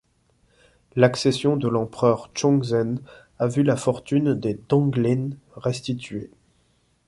L'accession de l'Empereur Chongzhen a vu la fortune des Donglin restituée.